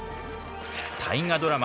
大河ドラマ